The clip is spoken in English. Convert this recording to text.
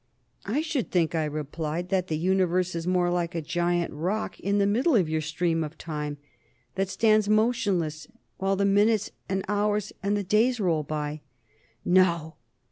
"I should think," I replied, "that the Universe is more like a great rock in the middle of your stream of time, that stands motionless while the minutes, the hours, and the days roll by." "No!